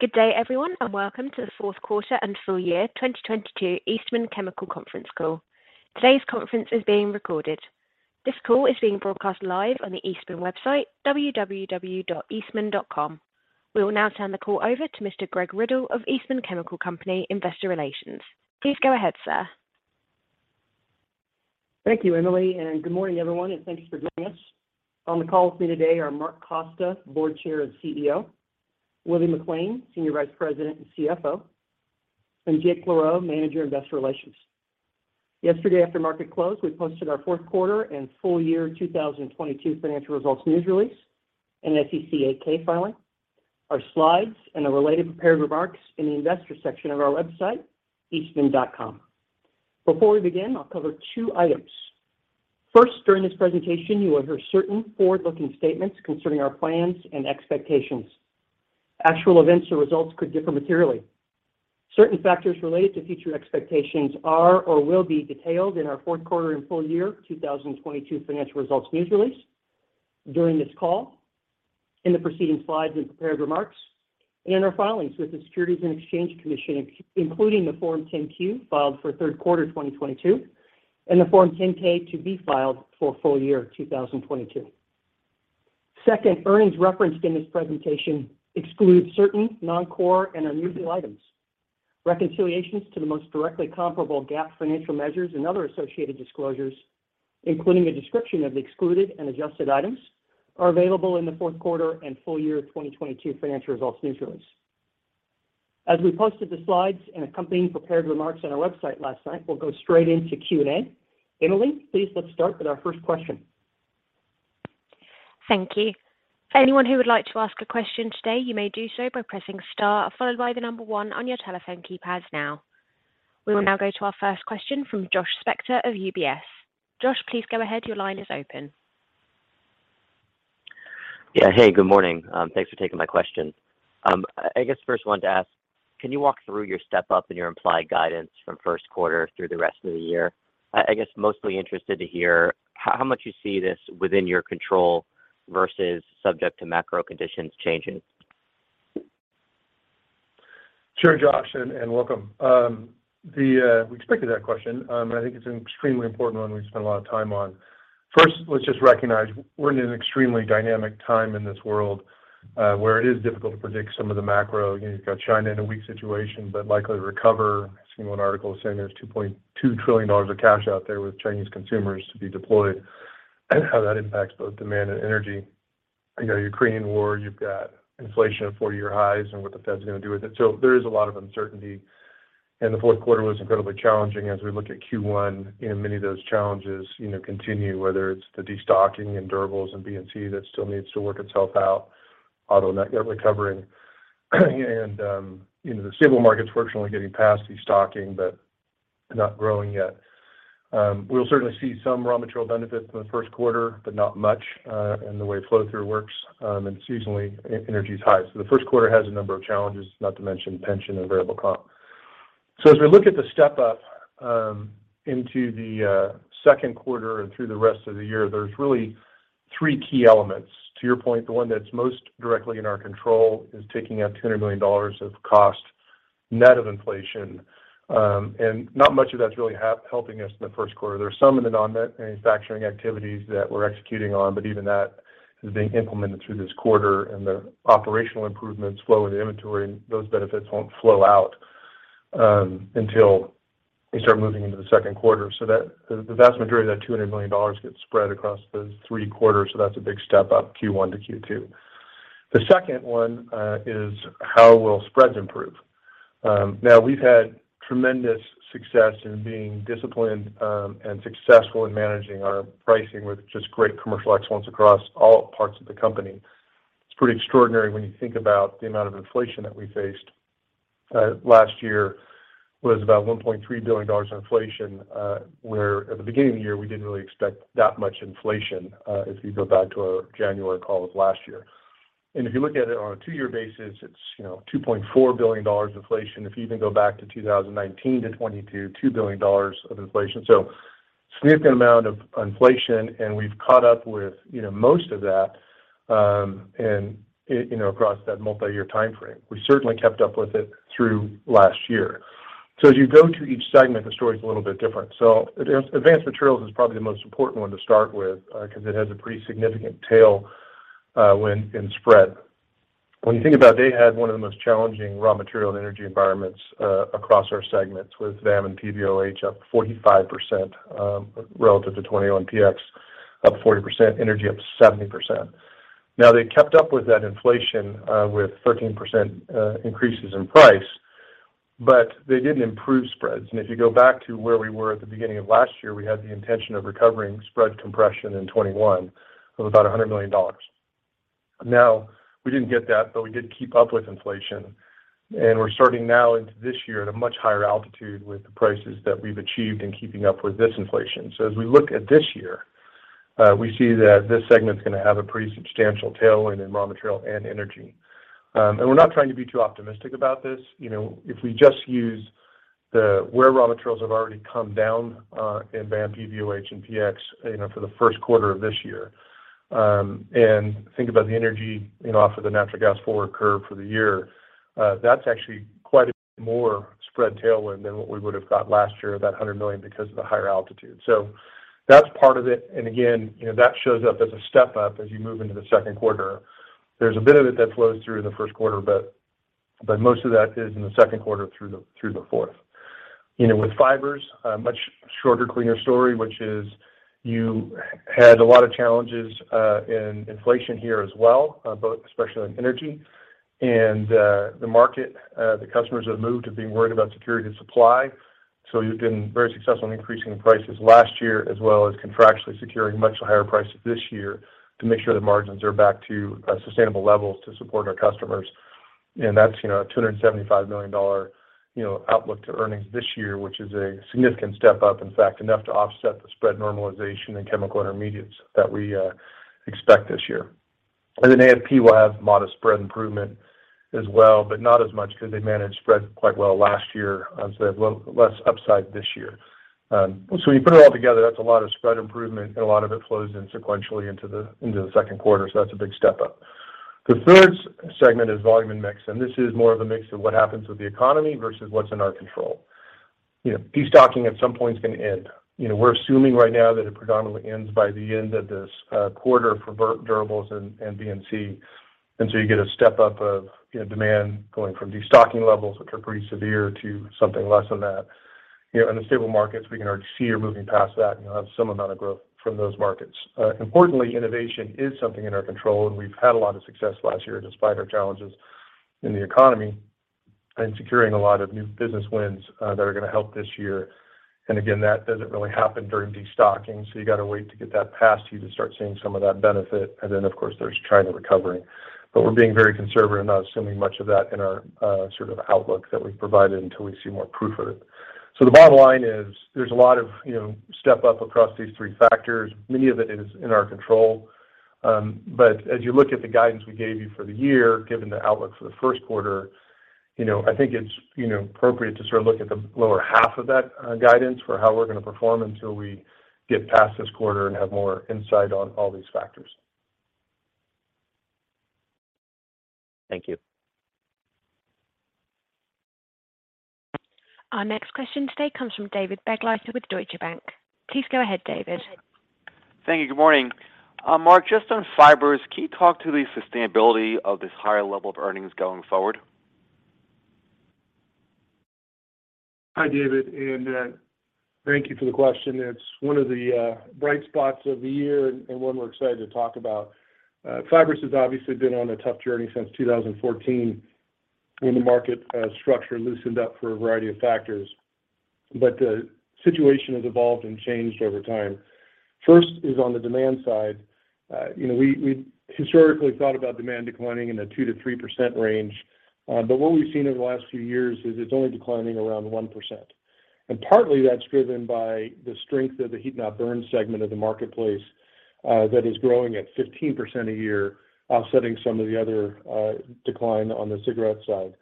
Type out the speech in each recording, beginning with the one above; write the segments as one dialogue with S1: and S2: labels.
S1: Good day, everyone. Welcome to the Q4 and full year 2022 Eastman Chemical Conference Call. Today's conference is being recorded. This call is being broadcast live on the Eastman website, www.eastman.com. We will now turn the call over to Mr. Greg Riddle of Eastman Chemical Company, Investor Relations. Please go ahead, sir.
S2: Thank you, Emily, good morning, everyone, and thanks for joining us. On the call with me today are Mark Costa, Board Chair and CEO, William McLain, Senior Vice President and CFO, and Jake LaRoe, Manager, Investor Relations. Yesterday after market close, we posted our Q4 and full year 2022 financial results news release and SEC 8-K filing, our slides and the related prepared remarks in the investor section of our website, Eastman.com. Before we begin, I'll cover two items. First, during this presentation, you will hear certain forward-looking statements concerning our plans and expectations. Actual events or results could differ materially. Certain factors related to future expectations are or will be detailed in our Q4 and full year 2022 financial results news release during this call, in the preceding slides and prepared remarks, and in our filings with the Securities and Exchange Commission, including the Form 10-Q filed for Q3 2022 and the Form 10-K to be filed for full year 2022. Earnings referenced in this presentation exclude certain non-core and unusual items. Reconciliations to the most directly comparable GAAP financial measures and other associated disclosures, including a description of excluded and adjusted items, are available in the Q4 and full year 2022 financial results news release. We posted the slides and accompanying prepared remarks on our website last night, we'll go straight into Q&A. Emily, please let's start with our first question.
S1: Thank you. Anyone who would like to ask a question today, you may do so by pressing star followed by one on your telephone keypads now. We will now go to our first question from Josh Spector of UBS. Josh, please go ahead. Your line is open.
S3: Yeah. Hey, good morning. Thanks for taking my question. I guess first wanted to ask, can you walk through your step-up and your implied guidance from Q1 through the rest of the year? I guess mostly interested to hear how much you see this within your control versus subject to macro conditions changing.
S4: Sure, Josh, and welcome. We expected that question, and I think it's an extremely important one we spend a lot of time on. First, let's just recognize we're in an extremely dynamic time in this world, where it is difficult to predict some of you've got China in a weak situation but likely to recover. I've seen one article saying there's $2.2 trillion of cash out there with Chinese consumers to be deployed and how that impacts both demand Ukrainian war, you've got inflation at 40-year highs and what the Fed's going to do with it. There is a lot of uncertainty, and the Q4 was incredibly challenging. As we challenges continue, whether it's the destocking in durables and BNT that still needs to work itself out, auto and the stable markets fortunately getting past destocking but not growing yet. We'll certainly see some raw material benefits in the Q1, but not much in the way flow-through works, and seasonally energy's high. The Q1 has a number of challenges, not to mention pension and variable comp. As we look at the step-up into the Q2 and through the rest of the year, there's really three key elements. To your point, the one that's most directly in our control is taking out $200 million of cost net of inflation, and not much of that's really helping us in the Q1. There's some in the non-net manufacturing activities that we're executing on. Even that is being implemented through this quarter and the operational improvements flow into inventory. Those benefits won't flow out until they start moving into the Q2. The vast majority of that $200 million gets spread across the three quarters. That's a big step up Q1 to Q2. The second one is how will spreads improve? We've had tremendous success in being disciplined and successful in managing our pricing with just great commercial excellence across all parts of the company. It's pretty extraordinary when you think about the amount of inflation that we faced. Last year was about $1.3 billion in inflation, where at the beginning of the year, we didn't really expect that much inflation, if you go back to our January calls last year. If you look at it on a it's $2.4 billion inflation. If you even go back to 2019-2022, $2 billion of inflation. Significant amount of inflation, and we've and across that multiyear timeframe. We certainly kept up with it through last year. As you go to each segment, the story's a little bit different. Advanced Materials is probably the most important one to start with, 'cause it has a pretty significant tail, when in spread. When you think about it, they had one of the most challenging raw material and energy environments, across our segments with VAM and PVOH up 45%, relative to 2021 PX up 40%, energy up 70%. They kept up with that inflation, with 13% increases in price, but they didn't improve spreads. If you go back to where we were at the beginning of last year, we had the intention of recovering spread compression in 2021 of about $100 million. We didn't get that, but we did keep up with inflation, and we're starting now into this year at a much higher altitude with the prices that we've achieved in keeping up with this inflation. As we look at this year, we see that this segment's going to have a pretty substantial tailwind in raw material and energy. We're not trying to be too optimistic if we just use where raw materials have already come down, in VAM, px for the Q1 of this year. Think energy off of the natural gas forward curve for the year. That's actually quite a bit more spread tailwind than what we would have got last year, that $100 million because of the higher altitude. That's part again that shows up as a step-up as you move into the Q2. There's a bit of it that flows through in the Q1, but most of that is in the Q2 through with fibers, a much shorter, cleaner story, which is you had a lot of challenges in inflation here as well, both especially on energy and the market. The customers have moved to being worried about security of supply. You've been very successful in increasing the prices last year, as well as contractually securing much higher prices this year to make sure the margins are back to sustainable levels to support million outlook to earnings this year, which is a significant step up, in fact, enough to offset the spread normalization in Chemical Intermediates that we expect this year. AFP will have modest spread improvement as well, but not as much because they managed spread quite well last year. A little less upside this year. When you put it all together, that's a lot of spread improvement, and a lot of it flows in sequentially into the Q2. That's a big step up. The third segment is volume and mix, and this is more of a mix of what happens with the economy versus what's in our control. Destocking at some point is going we're assuming right now that it predominantly ends by the end of this quarter for durables and D&C. You get of demand going from destocking levels, which are pretty severe, to something less than that. In the stable markets, we can already see you're moving past that and have some amount of growth from those markets. Importantly, innovation is something in our control, and we've had a lot of success last year despite our challenges in the economy and securing a lot of new business wins that are going to help this year. Again, that doesn't really happen during destocking, so you got to wait to get that past you to start seeing some of that benefit. Then, of course, there's China recovering. We're being very conservative, not assuming much of that in our sort of outlook that we've provided until we see more proof of it. The bottom line is there's of step-up across these three factors. Many of it is in our control. As you look at the guidance we gave you for the year, given the outlook it's appropriate to sort of look at the lower half of that guidance for how we're going to perform until we get past this quarter and have more insight on all these factors.
S3: Thank you.
S1: Our next question today comes from David Begleiter with Deutsche Bank. Please go ahead, David.
S5: Thank you. Good morning. Mark, just on Fibers, can you talk to the sustainability of this higher level of earnings going forward?
S4: Hi, David, thank you for the question. It's one of the bright spots of the year and one we're excited to talk about. Fibers has obviously been on a tough journey since 2014 when the market structure loosened up for a variety of factors.
S2: The situation has evolved and changed over time. First is on the we historically thought about demand declining in a 2%-3% range. What we've seen over the last few years is it's only declining around 1%. Partly that's driven by the strength of the heat-not-burn segment of the marketplace, that is growing at 15% a year, offsetting some of the other decline on the cigarette side.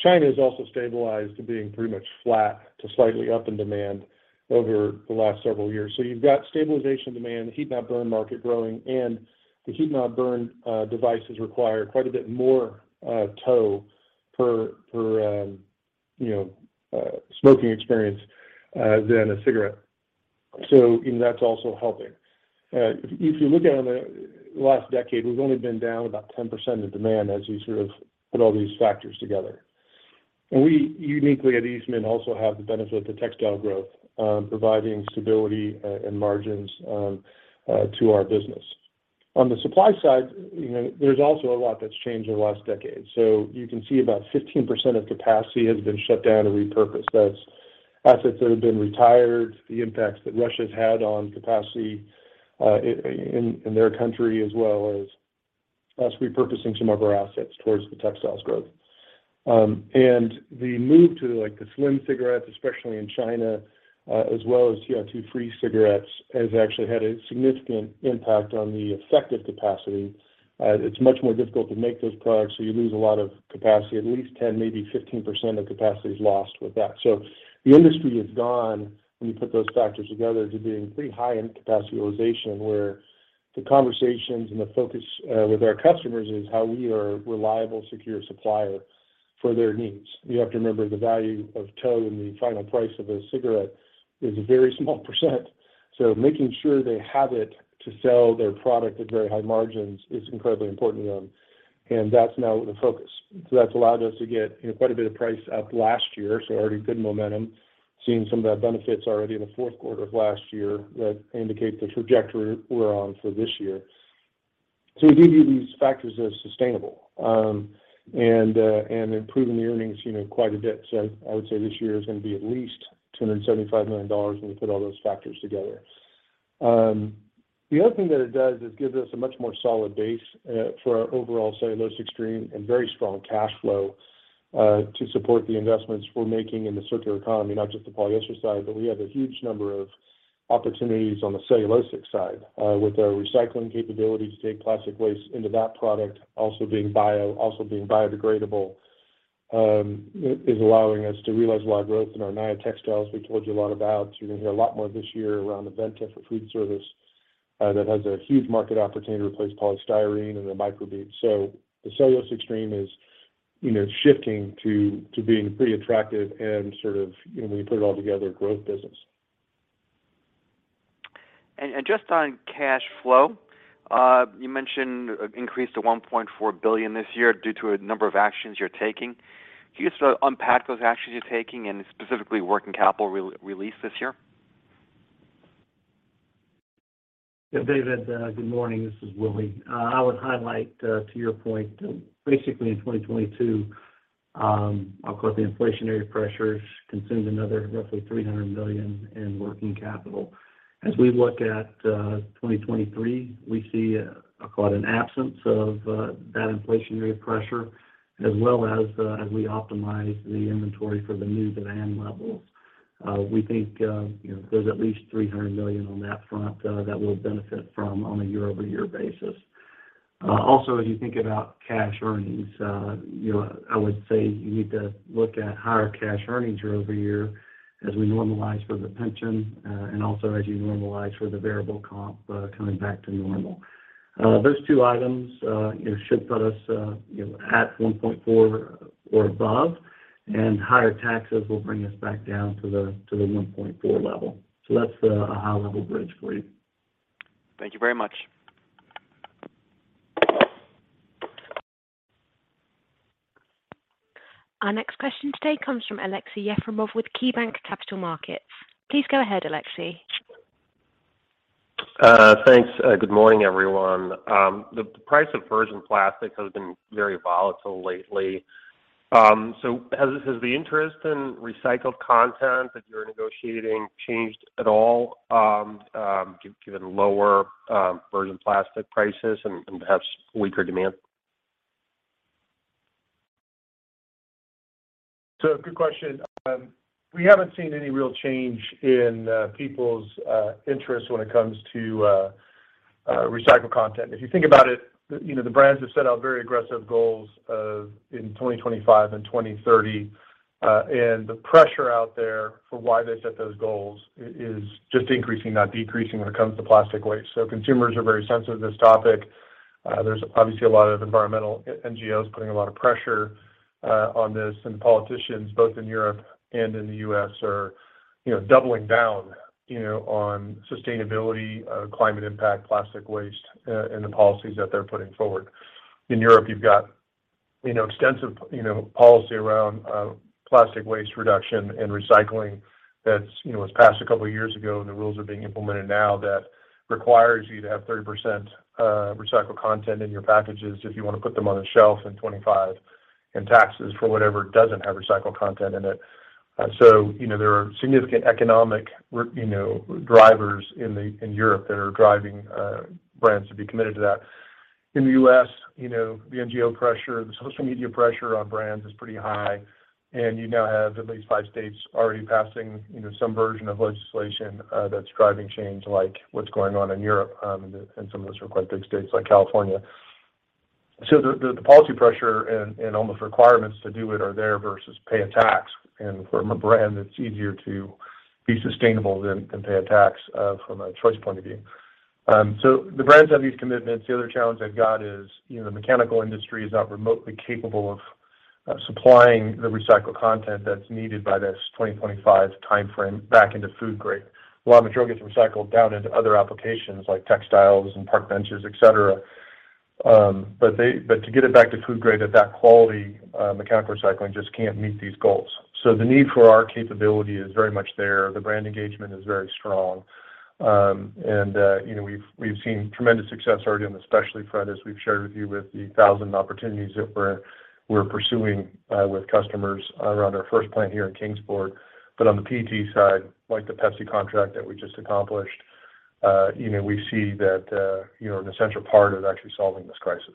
S2: China has also stabilized to being pretty much flat to slightly up in demand over the last several years. You've got stabilization demand, the heat-not-burn market growing, and the heat-not-burn devices require quite a bit per smoking experience than that's also helping. If you look at it on the last decade, we've only been down about 10% of demand as we sort of put all these factors together. We uniquely at Eastman also have the benefit of the textile growth, providing stability, and margins to our business. On side there's also a lot that's changed in the last decade. You can see about 15% of capacity has been shut down and repurposed. That's assets that have been retired, the impacts that Russia's had on capacity, in their country, as well as us repurposing some of our assets towards the textiles growth. The move to like the slim cigarettes, especially in China, as well as acetate tow has actually had a significant impact on the effective capacity. It's much more difficult to make those products, you lose a lot of capacity. At least 10, maybe 15% of capacity is lost with that. The industry has gone, when you put those factors together, to being pretty high in capacity realization, where the conversations and the focus with our customers is how we are a reliable, secure supplier for their needs. You have to remember the value of tow in the final price of a cigarette is a very small %. Making sure they have it to sell their product at very high margins is incredibly important to them. That's now the focus. That's allowed get quite a bit of price up last year, so already good momentum. Seeing some of the benefits already in the Q4 of last year that indicate the trajectory we're on for this year. We do view these factors as sustainable, and earnings quite a bit. I would say this year is going to be at least $275 million when you put all those factors together. The other thing that it does is gives us a much more solid base for our overall cellulose stream and very strong cash flow to support the investments we're making in the circular economy, not just the polyester side, but we have a huge number of opportunities on the cellulosic side with our recycling capability to take plastic waste into that product also being biodegradable, is allowing us to realize a lot of growth in our Naia textiles. We told you a lot about, you're going to hear a lot more this year around the Aventa for food service that has a huge market opportunity to replace polystyrene and the microbeads. The is shifting to being pretty attractive and sort of, when you put it all together, growth business.
S5: Just on cash flow, you mentioned an increase to $1.4 billion this year due to a number of actions you're taking. Can you just unpack those actions you're taking and specifically working capital re-release this year?
S2: David, good morning. This is Willie. I would highlight, to your point, basically in 2022, of course, the inflationary pressures consumed another roughly $300 million in working capital. As we look at 2023, we see, I'll call it an absence of that inflationary pressure, as well as we optimize the inventory for the new demand think there's at least $300 million on that front that we'll benefit from on a year-over-year basis. Also, as you think earnings i would say you need to look at higher cash earnings year-over-year as we normalize for the pension, and also as you normalize for the variable comp coming back to normal. Usat $1.4 or above, and higher taxes will bring us back down to the $1.4 level. That's a high-level bridge for you.
S5: Thank you very much.
S1: Our next question today comes from Alek Yefremov with KeyBanc Capital Markets. Please go ahead, Aleksey.
S6: Thanks. Good morning, everyone. The price of virgin plastic has been very volatile lately. Has the interest in recycled content that you're negotiating changed at all, given lower, virgin plastic prices and, perhaps weaker demand?
S2: Good question. We haven't seen any real change in people's interest when it comes to recycled content. If you it the brands have set out very aggressive goals of in 2025 and 2030, and the pressure out there for why they set those goals is just increasing, not decreasing when it comes to plastic waste. Consumers are very sensitive to this topic. There's obviously a lot of environmental NGOs putting a lot of pressure on this. Politicians both in Europe and in down on sustainability, climate impact, plastic waste in the policies that they're putting forward. In extensive policy around plastic waste reduction that's was passed a couple of years ago, and the rules are being implemented now that requires you to have 30% recycled content in your packages if put them on the shelf and 25 in taxes for whatever doesn't have recycled content in it. There economic drivers in Europe that are driving brands to be committed to that. u.s. the ngo pressure, the social media pressure on brands is pretty high, and you now have at least five passing some version of legislation that's driving change like what's going on in Europe, and some of those are quite big states like California. The policy pressure and almost requirements to do it are there versus pay a tax. From a brand, it's easier to be sustainable than pay a tax from a choice point of view. The brands have these commitments. The other challenge is the mechanical industry is not remotely capable of supplying the recycled content that's needed by this 2025 timeframe back into food grade. A lot of material gets recycled down into other applications like textiles and park benches, et cetera. But to get it back to food grade at that quality, mechanical recycling just can't meet these goals. The need for our capability is very much there. The brand engagement is very strong. We've seen tremendous success already on the specialty front, as we've shared with you, with the 1,000 opportunities that we're pursuing with customers around our first plant here in Kingsport. On the PET side, like the PepsiCo contract that that an essential part of actually solving this crisis.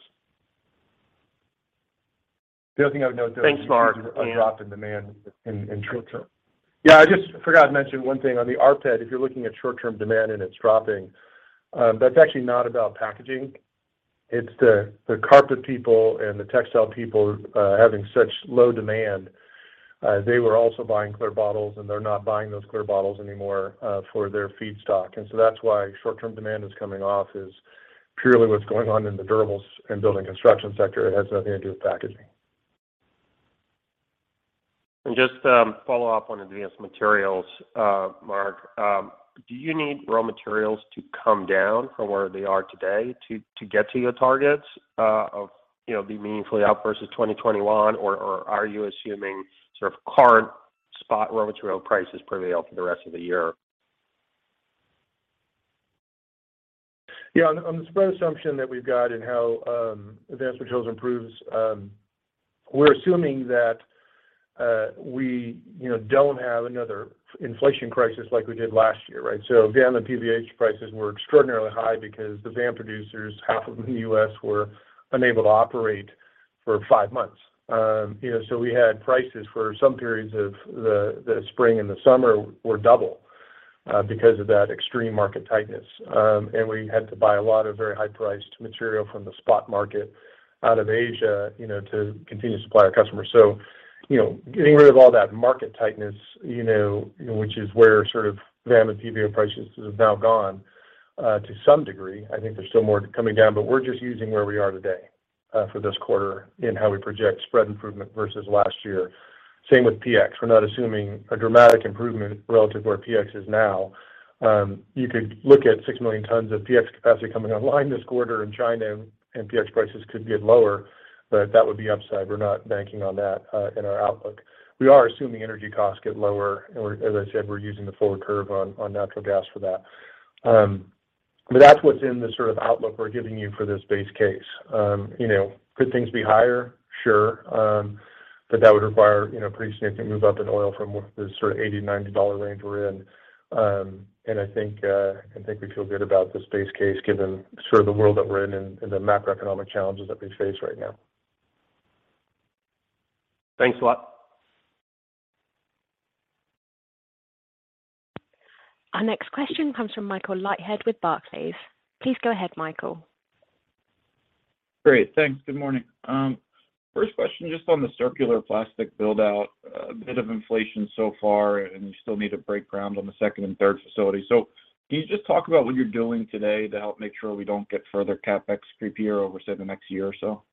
S2: The other thing I would note, though, is a drop in demand in short term.
S6: Thanks, Mark.
S7: Yeah, I just forgot to mention one thing. On the AFP, if you're looking at short-term demand and it's dropping, that's actually not about packaging. It's the carpet people and the textile people, having such low demand. They were also buying clear bottles, and they're not buying those clear bottles anymore, for their feedstock. That's why short-term demand is coming off is purely what's going on in the durables and Building and Construction sector. It has nothing to do with packaging.
S6: Just follow up on advanced materials, Mark. Do you need raw materials to come down from where they are today to get to of be meaningfully up versus 2021? Or are you assuming sort of current spot raw material prices prevail for the rest of the year?
S4: Yeah. On the spread assumption that we've got and how advanced materials improves, we're we don't have another inflation crisis like we did last year, right? Again, the PVB prices were extraordinarily high because the VAM producers, half of them in the U.S., were unable to operate for \we had prices for some periods of the spring and the summer were double. Because of that extreme market tightness. We had to buy a lot of very high-priced material from the spot market Asia to continue to supply our customers.
S2: Getting rid of all tightness which is where sort of VAM and PVB prices have now gone, to some degree, I think there's still more coming down, but we're just using where we are today, for this quarter in how we project spread improvement versus last year. Same with PX. We're not assuming a dramatic improvement relative to where PX is now. You could look at 6 million tons of PX capacity coming online this quarter in China, and PX prices could get lower, but that would be upside. We're not banking on that, in our outlook. We are assuming energy costs get lower, and as I said, we're using the forward curve on natural gas for that. That's what's in the sort of outlook we're giving you for this base case. Could things be higher? Sure. requirea pretty significant move up in oil from what the sort of $80-$90 range we're in. I think we feel good about this base case given sort of the world that we're in and the macroeconomic challenges that we face right now.
S6: Thanks a lot.
S1: Our next question comes from Michael Leithead with Barclays. Please go ahead, Michael.
S8: Great. Thanks. Good morning. First question, just on the circular plastic build-out, a bit of inflation so far, and you still need to break ground on the second and third facility. Can you just talk about what you're doing today to help make sure we don't get further CapEx creep here over, say, the next year or so?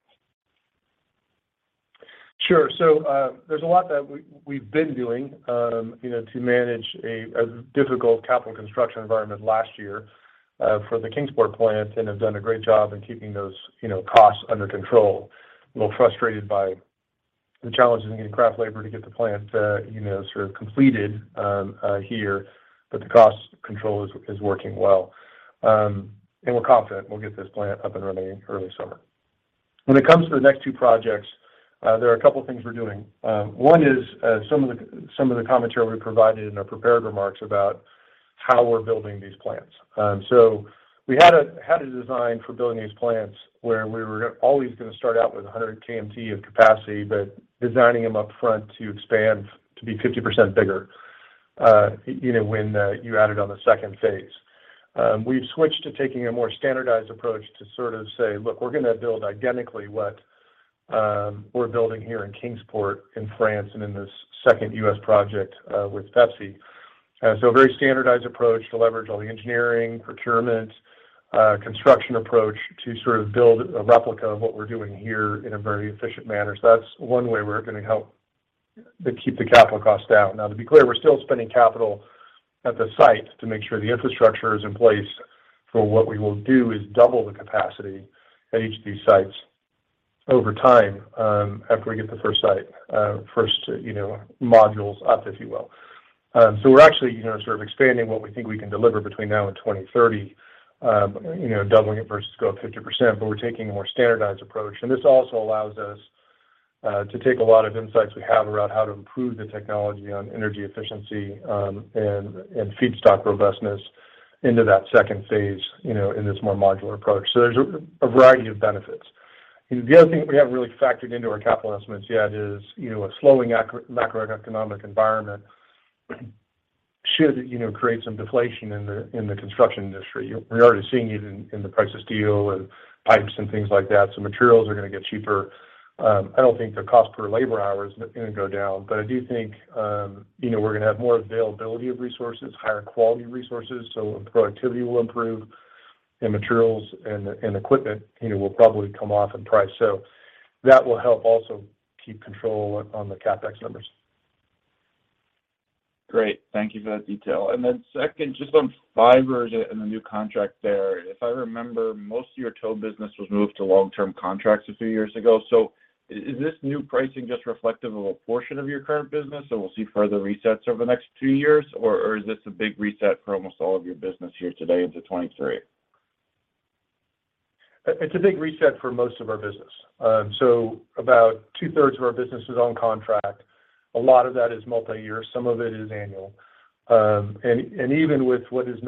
S2: Sure. There's a lot that doing to manage a difficult capital construction environment last year, for the Kingsport plant and have done a great job those costs under control. A little frustrated by the challenges in getting craft labor to plant sort of completed here. The cost control is working well. We're confident we'll get this plant up and running early summer. When it comes to the next two projects, there are a couple of things we're doing. One is, some of the commentary we provided in our prepared remarks about how we're building these plants. We had a design for building these plants where we were always going to start out with 100 KMT of capacity, but designing them upfront to expand to bigger when you added on the second phase. We've switched to taking a more standardized approach to sort of say, "Look, we're going to build identically what we're building here in Kingsport, in France, and in this second U.S. project with PepsiCo." A very standardized approach to leverage all the engineering, procurement, construction approach to sort of build a replica of what we're doing here in a very efficient manner. That's one way we're going to help to keep the CapEx costs down. To be clear, we're still spending capital at the site to make sure the infrastructure is in place for what we will do is double the capacity at each of these sites over time, after we get the first modules up, if you actually sort of expanding what we think we can deliver between 2030 doubling it versus going 50%, but we're taking a more standardized approach. This also allows us to take a lot of insights we have around how to improve the technology on energy efficiency, and feedstock robustness into phase in this more modular approach. There's a variety of benefits. The other thing we haven't really factored into our capital is a slowing should create some deflation in the, in the construction industry. We're already seeing it in the price of steel and pipes and things like that. Materials are going to get cheaper. I don't think the cost per labor hours are going to go down, but think e're going to have more availability of resources, higher quality resources, so productivity will improve and equipment will probably come off in price. That will help also keep control on the CapEx numbers.
S8: Great. Thank you for that detail. Second, just on fibers and the new contract there. If I remember, most of your tow business was moved to long-term contracts a few years ago. Is this new pricing just reflective of a portion of your current business, so we'll see further resets over the next two years, or is this a big reset for almost all of your business here today into 2023?
S2: It's a big reset for most of our business. About two-thirds of our business is on contract. A lot of that is multi-year. Some of it is annual. And even with what is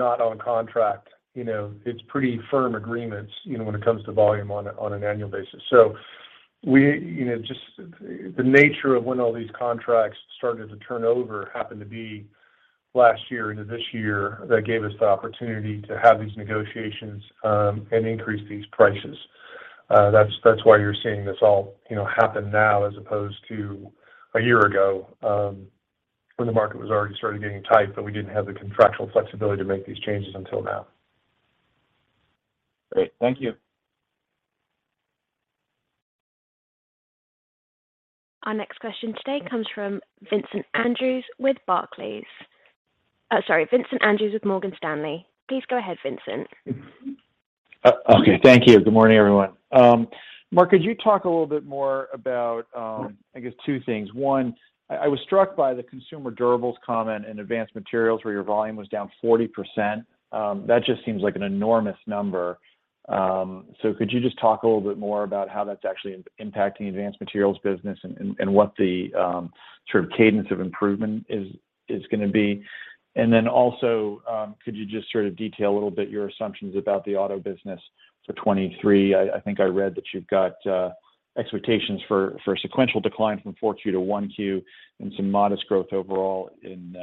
S2: agreements when it comes to volume on an just the nature of when all these contracts started to turn over happened to be last year into this year. That gave us the opportunity to have these negotiations and increase these prices. That's why you're all happen now as opposed to a year ago when the market was already started getting tight, but we didn't have the contractual flexibility to make these changes until now.
S8: Great. Thank you.
S1: Our next question today comes from Vincent Andrews with Barclays. Sorry, Vincent Andrews with Morgan Stanley. Please go ahead, Vincent.
S9: Okay. Thank you. Good morning, everyone. Mark, could you talk a little bit more about, I guess two things. One, I was struck by the consumer durables comment in Advanced Materials where your volume was down 40%. That just seems like an enormous number. Could you just talk a little bit more about how that's actually impacting the Advanced Materials business and what the sort of cadence of improvement is going to be? Also, could you just sort of detail a little bit your assumptions about the auto business for 23? I think I read that you've got Expectations for a sequential decline from 4Q to 1Q and some modest growth overall in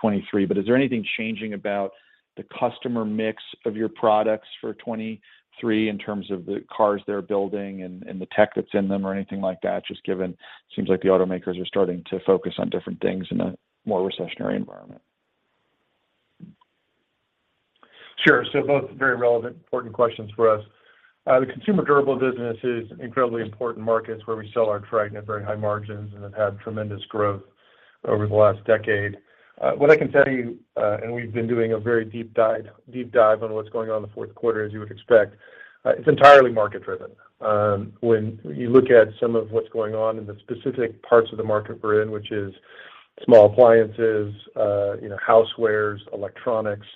S9: 23. Is there anything changing about the customer mix of your products for 23 in terms of the cars they're building and the tech that's in them or anything like that? Just given it seems like the automakers are starting to focus on different things in a more recessionary environment.
S4: Sure. Both very relevant, important questions for us. The consumer durable business is incredibly important markets where we sell our Triacetin at very high margins and have had tremendous growth over the last decade. What I can tell you, we've been doing a very deep dive on what's going on in the Q4, as you would expect. It's entirely market driven. When you look at some of what's going on in the specific parts of the market we're in, which appliances housewares, electronics,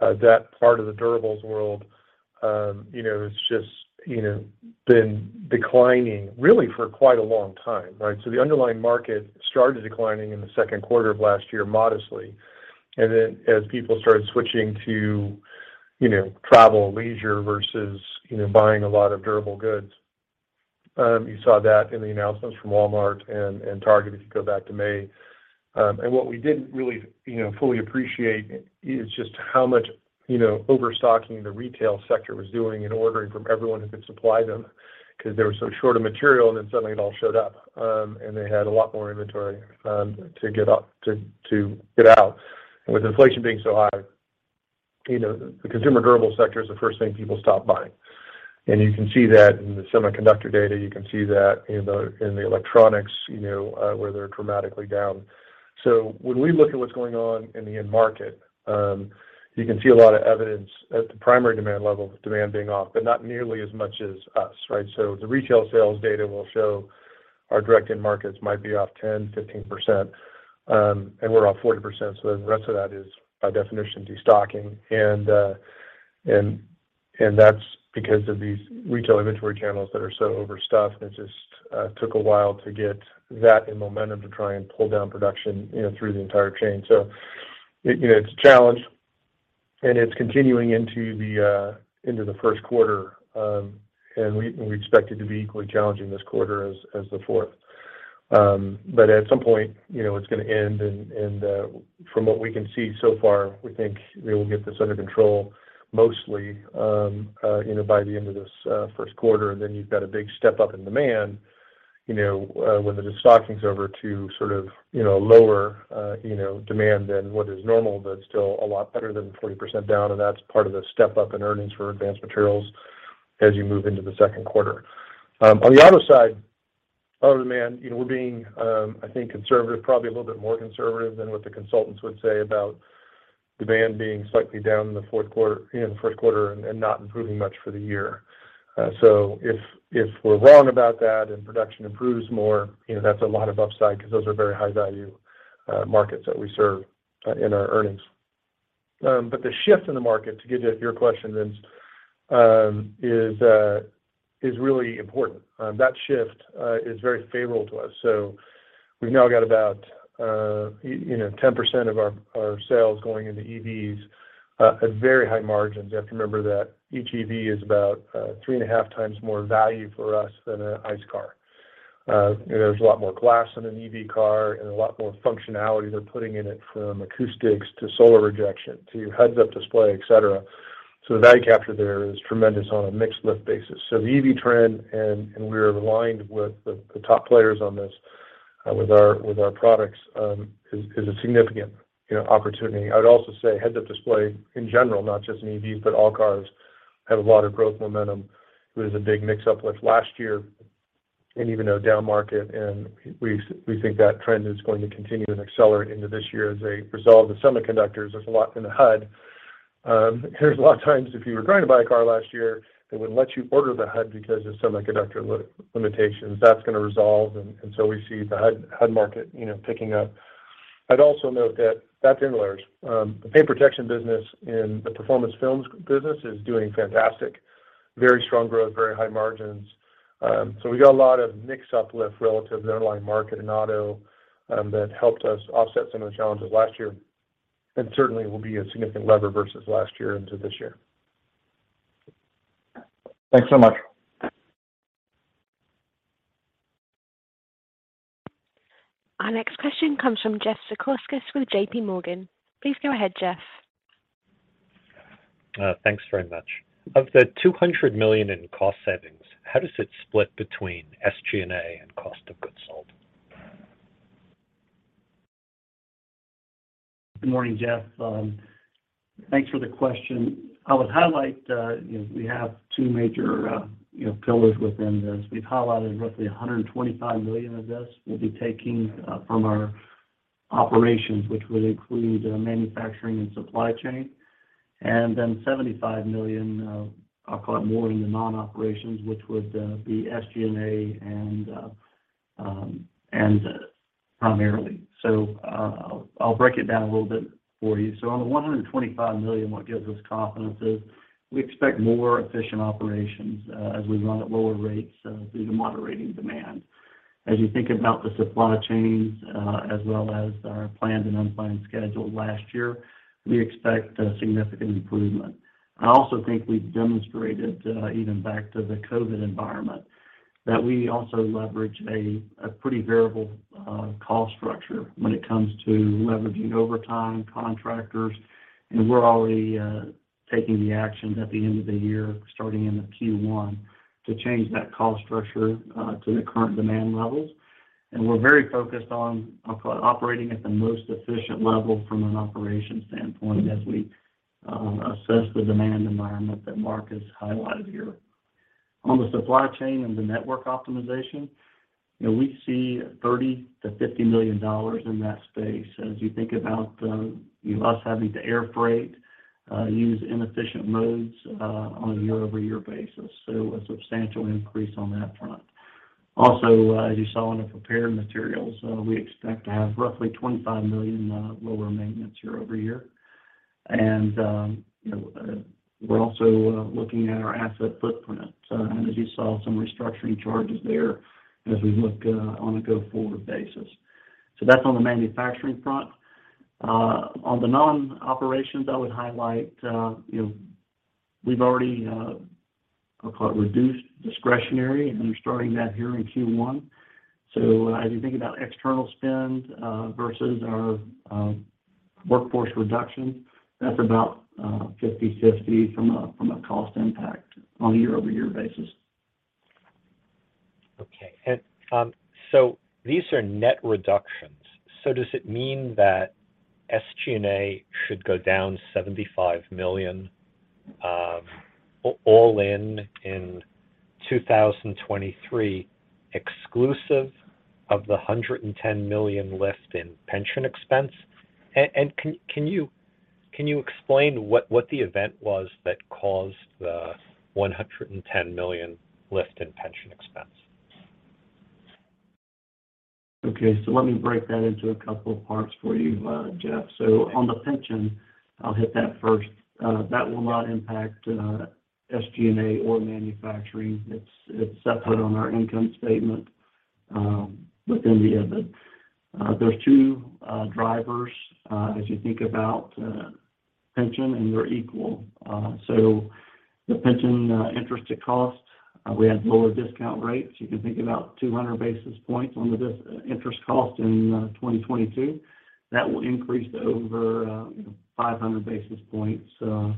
S4: that part of just been declining really for quite a long time, right? The underlying market started declining in the Q2 of last year modestly.
S2: As people versus buying a lot of durable goods, you saw that in the announcements from Walmart and Target, if you go back to May. What really fully appreciate is much overstocking the retail sector was doing in ordering from everyone who could supply them because they were so short of material, and then suddenly it all showed up, and they had a lot more inventory to get out. With inflation high the consumer durable sector is the first thing people stop buying. You can see that in the semiconductor data. You can see that electronics where they're dramatically down. When we look at what's going on in the end market, you can see a lot of evidence at the primary demand level of demand being off, but not nearly as much as us, right? The retail sales data will show our direct end markets might be off 10%, 15%, and we're off 40%. The rest of that is by definition, destocking. That's because of these retail inventory channels that are so overstuffed, and it just took a while to get that in momentum to try and production through the it's a challenge and it's continuing into the Q1. We expect it to be equally challenging this quarter as the fourth. point it's going to end. From what we can see so far, we think we will get this mostly by the end of this Q1. You've got a big step demand when the destocking is over lower demand than what is normal, but still a lot better than 40% down. That's part of the step up in earnings for Advanced Materials as you move into the Q2. On the auto demand we're being, I think conservative, probably a little bit more conservative than what the consultants would say about demand being slightly down in the Q1 and not improving much for the year. If, if we're wrong about that and more that's a lot of upside because those are very high value markets that we serve in our earnings. The shift in the market, to get to your question, Vince, is really important. That shift is very favorable to us. We've about 10% of our sales going into EVs at very high margins. You have to remember that each EV is about 3.5 times more value for us than an ICE car. There's a lot more glass in an EV car and a lot more functionality they're putting in it, from acoustics to solar rejection to heads up display, et cetera. The value capture there is tremendous on a mixed lift basis. The EV trend, and we're aligned with the top players on this, with our products, significant opportunity. i would also say heads up display in general, not just in EVs, but all cars have a lot of growth momentum. It was a big mix up lift last year and even a down market. We think that trend is going to continue and accelerate into this year as they resolve the semiconductors. There's a lot in the HUD. There's a lot of times if you were trying to buy a car last year, they wouldn't let you order the HUD because of semiconductor limitations. That's going to resolve. We see market picking up. I'd also note that that's in interlayers. The paint protection business and the performance films business is doing fantastic. Very strong growth, very high margins. We got a lot of mix uplift relative to the underlying market and auto that helped us offset some of the challenges last year and certainly will be a significant lever versus last year into this year. Thanks so much.
S1: Our next question comes from Jeffrey Zekauskas with JP Morgan. Please go ahead, Jeff.
S10: Thanks very much. Of the $200 million in cost savings, how does it split between SG&A and cost of goods sold?
S11: Good morning, Jeff. Thanks for the question. major pillars within this. We've highlighted roughly $125 million of this will be taking from our operations, which would include manufacturing and supply chain. Seventy-five million, I'll call it more in the non-operations, which would be SG&A and primarily. I'll break it down a little bit for you. On the $125 million, what gives us confidence is we expect more efficient operations as we run at lower rates due to moderating demand. As you think about the supply chains, as well as our planned and unplanned schedule last year, we expect a significant improvement. I also think we've demonstrated, even back to the COVID environment, that we also leverage a pretty variable cost structure when it comes to leveraging overtime contractors. We're already taking the actions at the end of the year, starting in the Q1, to change that cost structure to the current demand levels. We're very focused on operating at the most efficient level from an operations standpoint as we assess the demand environment that Mark has highlighted here. On the supply chain and optimization we see $30 million-$50 million in that space as you think about us having to air freight, use inefficient modes, on a year-over-year basis. A substantial increase on that front. As you saw in the prepared materials, we expect to have roughly $25 million lower we're also looking at our asset footprint. As you saw some restructuring charges there as we look on a go-forward basis. That's on the manufacturing front. On the non-operations, highlight we've already, I'll call it reduced discretionary, and we're starting that here in Q1. As you think about external spend versus our workforce reduction, that's about 50/50 from a cost impact on a year-over-year basis.
S10: Okay. These are net reductions. Does it mean that SG&A should go down $75 million all in in 2023, exclusive of the $110 million lift in pension expense? Can you explain what the event was that caused the $110 million lift in pension expense?
S11: Okay. Let me break that into a couple of parts for you, Jeff. On the pension, I'll hit that first. That will not impact SG&A or manufacturing. It's separate on our income statement within the EBIT. There's two drivers as you think about pension, and they're equal. The pension interest to cost, we had lower discount rates. You can think about 200 basis points on the interest cost in 2022. That will increase to over 500 basis points, so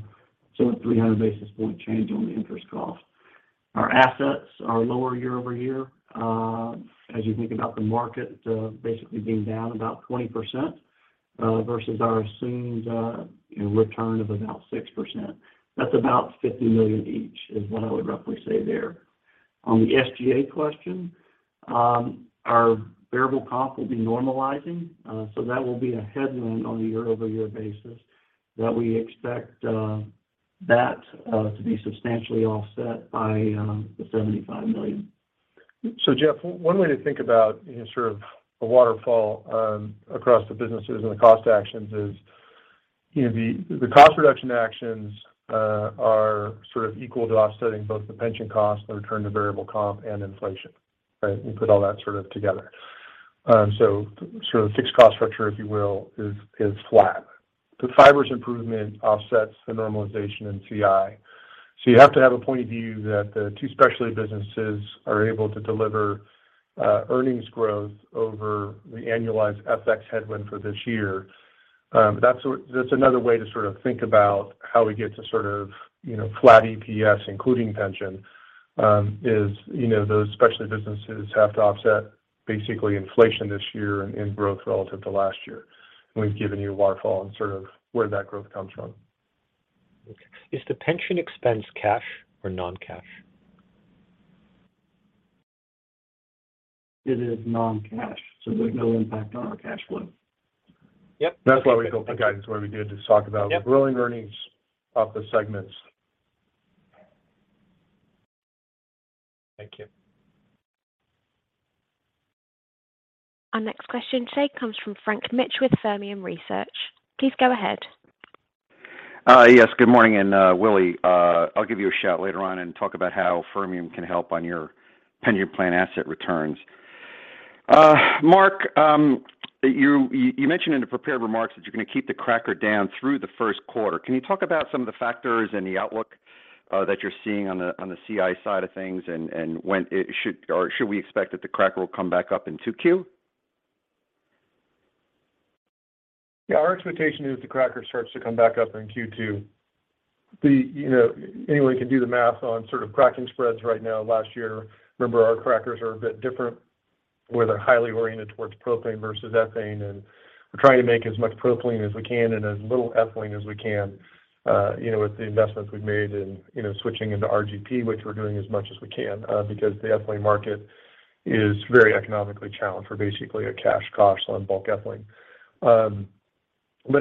S11: a 300 basis point change on the interest cost. Our assets are lower year-over-year. As you think about the market, basically being down about 20% assumed return of about 6%. That's about $50 million each is what I would roughly say there. On the SG&A question, our variable cost will be normalizing, so that will be a headwind on a year-over-year basis that we expect that to be substantially offset by the $75 million.
S2: Jeff, one way to think about sort of the waterfall, across the businesses and the is the cost reduction actions, are sort of equal to offsetting both the pension cost, the return to variable comp, and inflation, right? We put all that sort of together. So sort of fixed cost structure, if you will, is flat. The fibers improvement offsets the normalization in CI. You have to have a point of view that the two specialty businesses are able to deliver, earnings growth over the annualized FX headwind for this year. That's another way to sort of think about how we get of flat eps, is those specialty businesses have to offset basically inflation this year and growth relative to last year. We've given you waterfall and sort of where that growth comes from.
S10: Is the pension expense cash or non-cash?
S11: It is non-cash, so there's no impact on our cash flow.
S10: Yep.
S2: That's why we built the guidance the way we did, to talk about the growing earnings of the segments.
S10: Thank you.
S1: Our next question today comes from Frank Mitsch with Fermium Research. Please go ahead.
S12: Yes. Good morning, Willie, I'll give you a shout later on and talk about how Fermium can help on your pension plan asset returns. Mark, you mentioned in the prepared remarks that you're going to keep the cracker down through the Q1. Can you talk about some of the factors and the outlook that you're seeing on the CI side of things and when it should or should we expect that the cracker will come back up in 2Q?
S4: Yeah. Our expectation is the cracker starts to come back up the anyone can do the math on sort of cracking spreads right now last year. Remember, our crackers are a bit different, where they're highly oriented towards propane versus ethane, and we're trying to make as much propylene as we can and as little ethylene can with the investments in switching into RGP, which we're doing as much as we can, because the ethylene market is very economically challenged. We're basically a cash cost on bulk ethylene.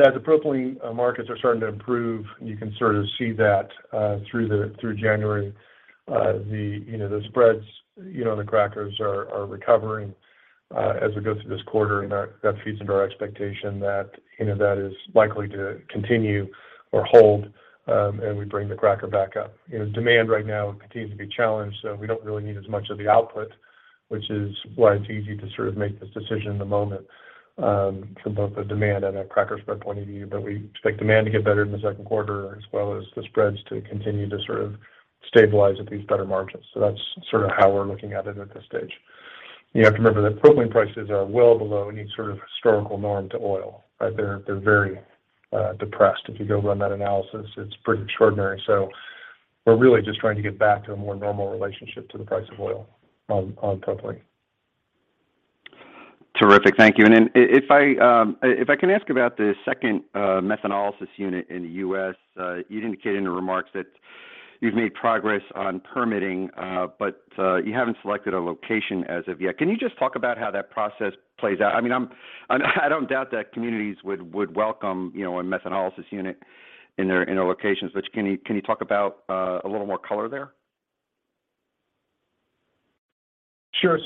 S2: As the propylene markets are starting to improve, you can sort of see that through the, spreads the crackers are recovering. As we go through this quarter and that feeds into that is likely to continue or hold, and we bring the cracker demand right now continues to be challenged, so we don't really need as much of the output, which is why it's easy to sort of make this decision at the moment, from both a demand and a cracker spread point of view. We expect demand to get better in the Q2 as well as the spreads to continue to sort of stabilize at these better margins. That's sort of how we're looking at it at this stage. You have to remember that propylene prices are well below any sort of historical norm to oil, right? They're very depressed. If you go run that analysis, it's pretty extraordinary. We're really just trying to get back to a more normal relationship to the price of oil on propylene.
S12: Terrific. Thank you. If I can ask about the second methanolysis unit in the U.S. You indicated in the remarks that you've made progress on permitting, but you haven't selected a location as of yet. Can you just talk about how that process plays out? I mean, I don't doubt that welcome a methanolysis unit in their locations. Can you talk about a little more color there?
S2: Sure.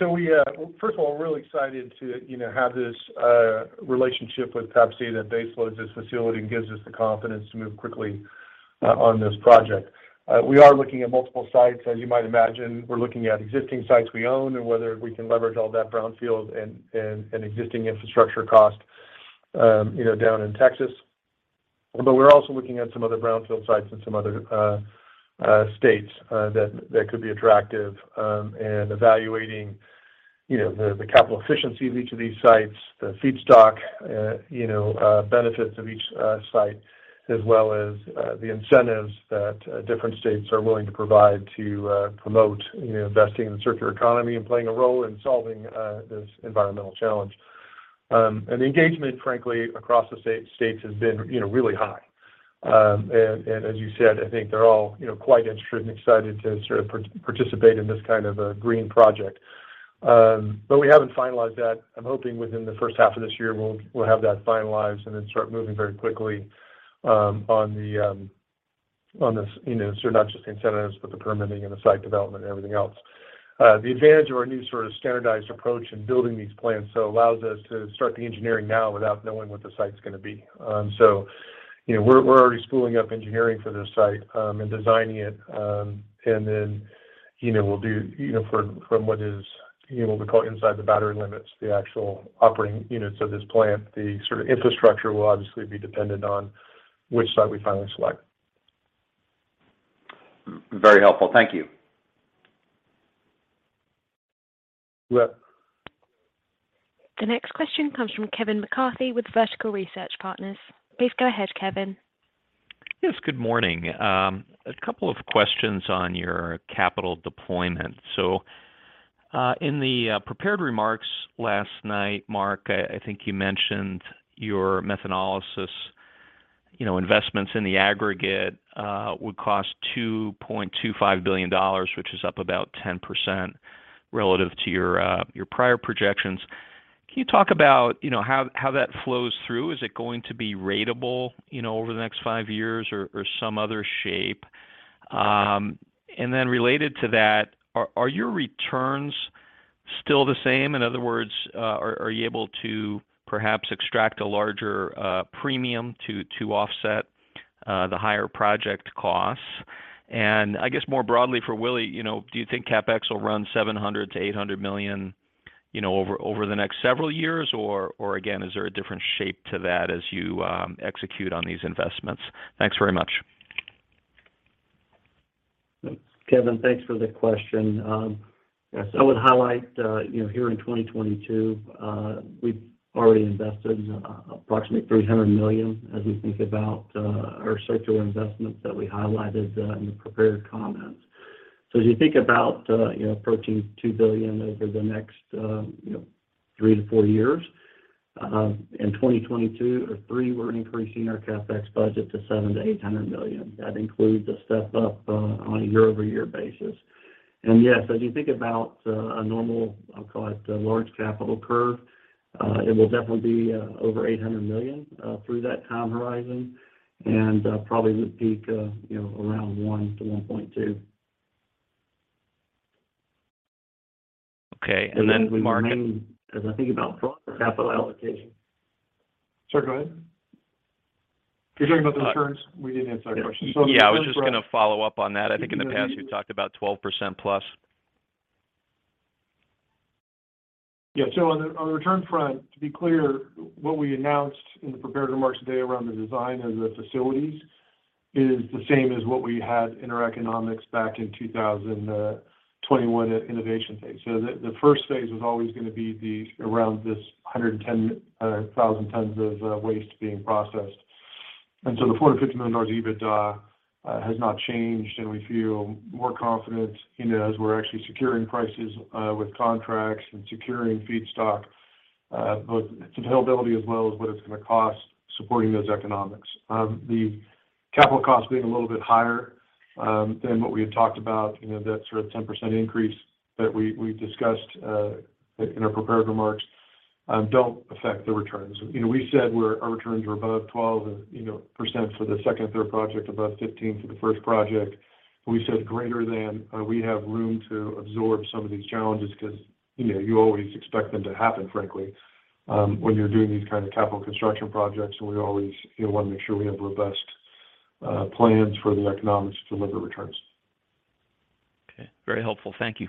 S2: First of all, we're to have this relationship with PepsiCo that baseloads this facility and gives us the confidence to move quickly on this project. We are looking at multiple sites, as you might imagine. We're looking at existing sites we own and whether we can leverage all that brownfield and cost down in Texas. We're also looking at some other brownfield sites in some other states that could be attractive. evaluating the capital efficiency of each of these feedstock benefits of each site, as well as the incentives that different states are willing to promote investing in the circular economy and playing a role in solving this environmental challenge. The engagement, frankly, across the been really high. As you said, I all quite interested and excited to sort of participate in this kind of a green project. We haven't finalized that. I'm hoping within the first half of this year, we'll have that finalized and then start moving very quickly, on the sort of not just the incentives, but the permitting and the site development and everything else. The advantage of our new sort of standardized approach in building these plants, so allows us to start the engineering now without knowing what the site's we're already spooling up engineering for this site and is what we call inside the battery limits, the actual operating units of this plant. The sort of infrastructure will obviously be dependent on which site we finally select.
S12: Very helpful. Thank you.
S2: You bet.
S1: The next question comes from Kevin McCarthy with Vertical Research Partners. Please go ahead, Kevin.
S13: Yes, good morning. A couple of questions on your capital deployment. In the prepared remarks last night, Mark, I think you methanolysis investments in the aggregate would cost $2.25 billion, which is up about 10% relative to your prior projections. Can about how that flows through? Is it going ratable over the next 5 years or some other shape? And then related to that, are your returns still the same? In other words, are you able to perhaps extract a larger premium to offset the higher project costs? I guess more willie do you think CapEx will run million over the next several years? Or again, is there a different shape to that as you execute on these investments? Thanks very much.
S11: Thanks. Kevin, thanks for the question. Yes, highlight here in 2022, we've already invested approximately $300 million as we think about our circular investments that we highlighted in the prepared comments. As about approaching $2 billion next 3 to 4 years, in 2022 or 2023, we're increasing our CapEx budget to $700 million-$800 million. That includes a step up on a year-over-year basis. Yes, as you think about a normal, I'll call it, large capital curve, it will definitely be over $800 million through that time horizon and peak around $1 billion-$1.2 billion.
S13: Okay. Mark-
S11: As I think about capital allocation.
S2: Sorry, go ahead. If you're talking about the returns, we didn't answer that question.
S13: Yeah, I was just going to follow up on that. I think in the past you've talked about 12% plus.
S2: On the return front, to be clear, what we announced in the prepared remarks today around the design of the facilities is the same as what we had in our economics back in 2021 at innovation phase. The first phase was always going to be around this 110,000 tons of waste being processed. The $40 million-$50 million EBITDA has not changed, and we confident as we're actually securing prices with contracts and securing feedstock, both its availability as well as what it's going to cost supporting those economics. The capital costs being a little bit higher than what we about that sort of 10% increase that we discussed in our prepared remarks don't affect the returns. We said our returns were above 12% for the second and third project, above 15 for the first project. We said greater than, we have room to absorb some of because you always expect them to happen, frankly, when you're doing these kind of capital constructionmake sure we have robust plans for the economics to deliver returns.
S13: Okay. Very helpful. Thank you.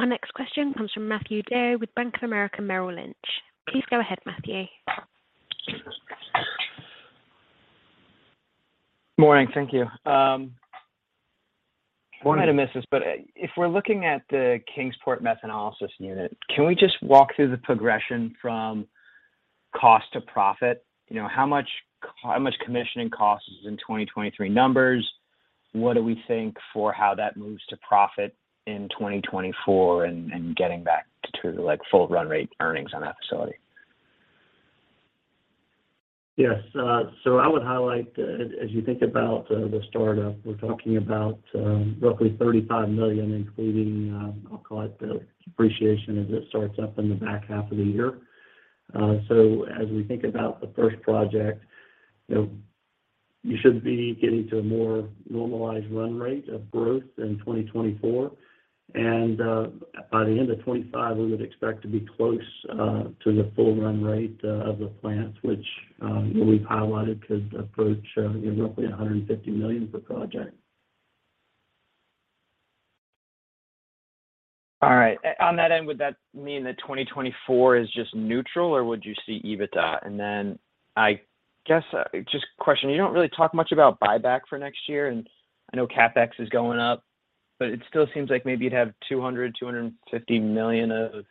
S1: Our next question comes from Matthew DeYoe with Bank of America Merrill Lynch. Please go ahead, Matthew.
S14: Morning. Thank you.
S2: Morning.
S14: I might have missed this, but if we're looking at the Kingsport methanolysis unit, can we just walk through the progression from cost how much commissioning cost is in 2023 numbers? What do we think for how that moves to profit in 2024 and getting back to like full run rate earnings on that facility?
S11: Yes. I would highlight, as you think about the startup, we're talking about roughly $35 million, including I'll call it the depreciation as it starts up in the back half of the year. As we think about project you should be getting to a more normalized run rate of growth in 2024. By the end of 2025, we would expect to be close to the full run rate of the plants, which we've highlighted could approach roughly $150 million per project.
S14: All right. On that end, would that mean that 2024 is just neutral, or would you see EBITDA? I guess just a question, you don't really talk much about buyback for next year, and I know CapEx is going up, but it still seems like maybe you'd have $200 million-$250 million of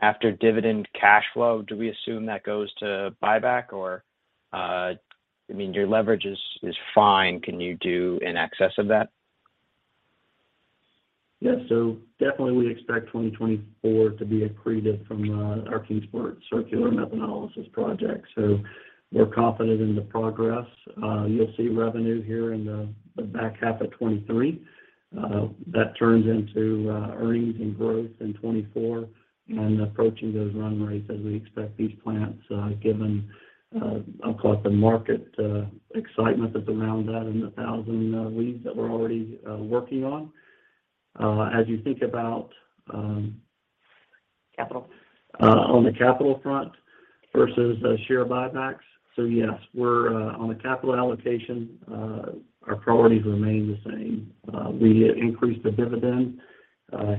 S14: after dividend cash flow. Do we assume that goes to buyback or, I mean, your leverage is fine. Can you do in excess of that?
S11: Yes. Definitely we expect 2024 to be accretive from our Kingsport circular methanolysis project. We're confident in the progress. You'll see revenue here in the back half of 2023. That turns into earnings and growth in 2024 and approaching those run rates as we expect these plants, given I'll call it the market excitement that's around that and the 1,000 leads that we're already working on. As you think about.
S14: Capital
S11: On the capital front versus the share buybacks. Yes, we're on the capital allocation, our priorities remain the same. We increase the dividend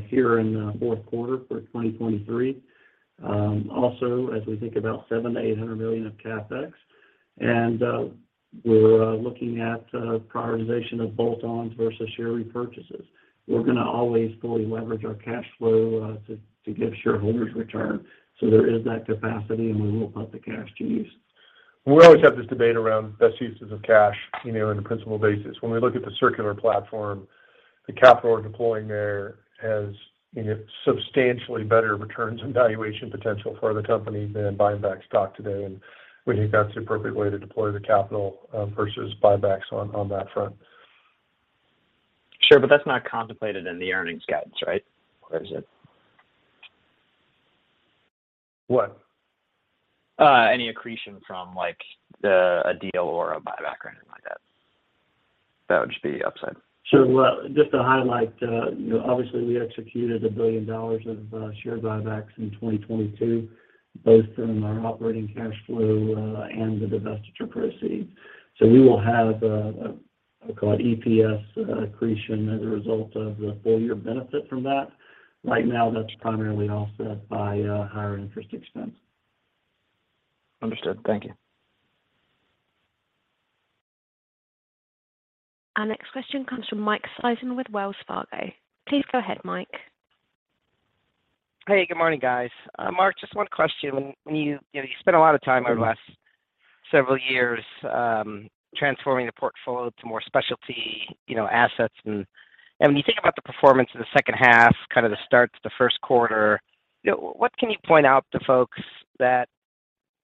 S11: here in the Q4 for 2023. Also, as we think about $700 million-$800 million of CapEx, and we're looking at prioritization of bolt-ons versus share repurchases. We're going to always fully leverage our cash flow to give shareholders return. There is that capacity, and we won't let the cash to use.
S2: We always have this debate around best cash on a principal basis. When we look at the circular platform, the capital we're deploying there has substantially better returns and valuation potential for the company than buying back stock today. We think that's the appropriate way to deploy the capital versus buybacks on that front.
S14: Sure. That's not contemplated in the earnings guidance, right? Is it?
S11: What?
S14: Any accretion from like a deal or a buyback or anything like that? That would just be upside.
S11: Sure. Well, highlight obviously we executed $1 billion of share buybacks in 2022, both from our operating cash flow and the divestiture proceeds. We will have, I'll call it EPS accretion as a result of the full year benefit from that. Right now, that's primarily offset by higher interest expense.
S14: Understood. Thank you.
S1: Our next question comes from Michael Sison with Wells Fargo. Please go ahead, Mike.
S15: Hey, good morning, guys. Mark, just one you spent a lot of time over the last several years, transforming the portfolio specialty assets. when you think about the performance in the second half, kind of the start q1 what can you point out to folks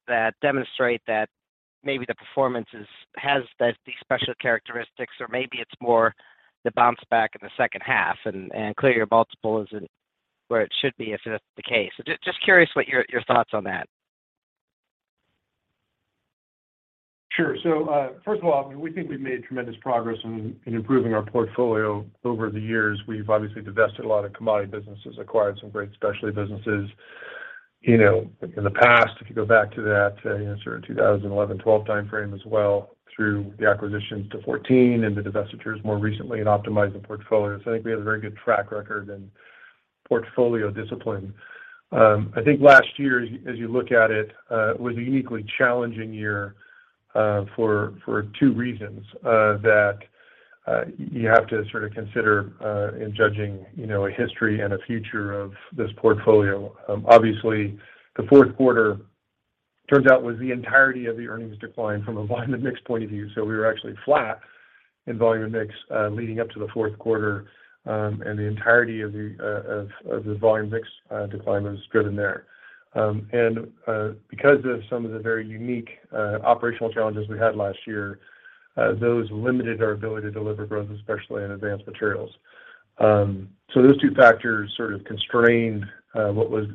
S15: that demonstrate that maybe the performance has these special characteristics or maybe it's more the bounce back in the second half? Clearly your multiple isn't where it should be if that's the case. Just curious what your thoughts on that.
S4: Sure. First of all, we think we've made tremendous progress in improving our portfolio over the years. We've obviously divested a lot of commodity businesses, acquired some businesses in the past, if you go that sort of 2011, 2012 time frame as well, through the acquisitions to 2014 and the divestitures more recently and optimizing portfolios. I think we have a very good track record and portfolio discipline. I think last year, as you look at it, was a uniquely challenging year for two reasons that you have to sort of judging a history and a future of this portfolio. Obviously the Q4, turns out, was the entirety of the earnings decline from a volume and mix point of view.
S2: We were actually flat in volume and mix, leading up to the Q4, and the entirety of the of the volume mix decline was driven there. Because of some of the very unique operational challenges we had last year. Those limited our ability to deliver growth, especially in advanced materials. Those two factors sort of was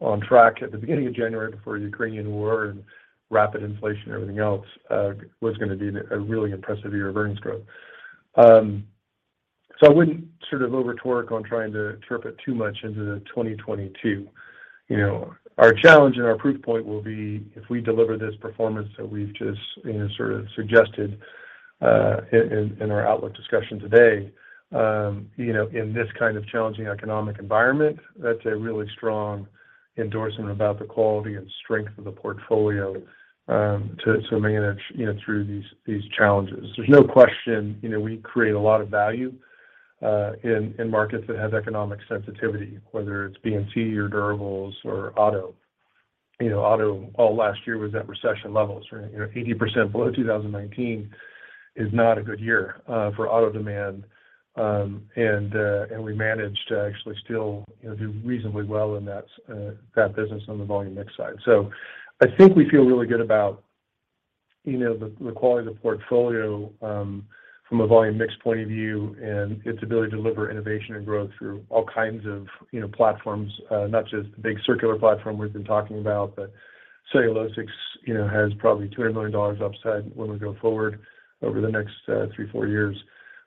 S2: on track at the beginning of January before the Ukrainian war and rapid inflation and everything else, was going to be a really impressive year of earnings growth. I wouldn't sort of over torque on trying to interpret too much into 2022. Our challenge and our proof point will be if we deliver this performance just sort of suggested in our today in this kind of challenging economic environment, that's a really strong endorsement about the quality and strength of the manage through these challenges. question we create a lot of value in markets that have economic sensitivity, whether it's BNT or durables auto all last year was at 80% below 2019 is not a good year for auto demand. We managed still do reasonably well in that business on the volume mix side. I think we feel about the quality of the portfolio, from a volume mix point of view and its ability to deliver innovation and growth through of platforms, not just the big circular platform we've been cellulosic has probably $200 million upside when we go forward over the next, three, four years.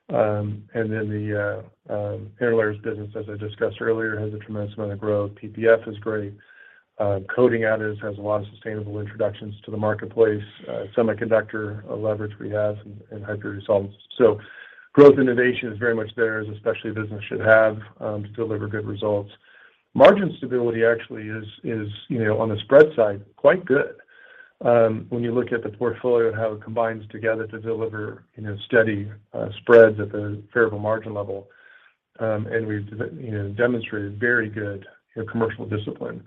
S2: And then the interlayers business, as I discussed earlier, has a tremendous amount of growth. PPF is great. Coatings and Inks has a lot of sustainable introductions to the marketplace, semiconductor leverage we have and hydroquinone sales. Growth innovation is very much there, as a specialty business should have, to deliver good results. Margin is on the spread side, quite good, when you look at the portfolio and how it combines deliver steady spreads at the favorable margin good commercial discipline.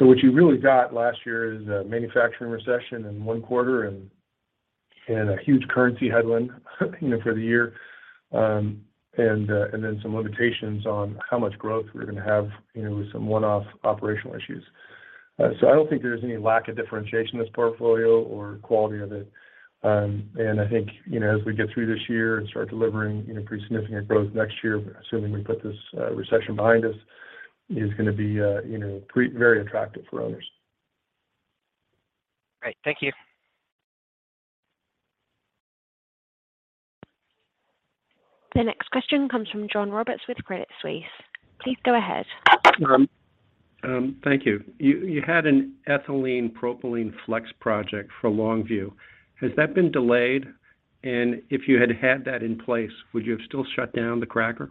S2: What you really got last year is a manufacturing recession in 1 quarter and a headwind for the year, and then some limitations on how much growth have with some one-off operational issues. I don't think there's any lack of differentiation in this portfolio or quality of it. Think as we get through this year delivering pretty significant growth next year, assuming we put this recession behind us, be very attractive for others.
S15: Great. Thank you.
S1: The next question comes from John Roberts with Credit Suisse. Please go ahead.
S16: thank you. You had an ethylene propylene flex project for Longview. Has that been delayed? If you had that in place, would you have still shut down the cracker?